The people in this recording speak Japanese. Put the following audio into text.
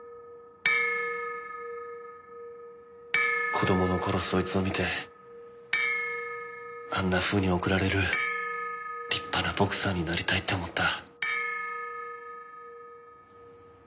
子供の頃そいつを見てあんなふうに送られる立派なボクサーになりたいって思った。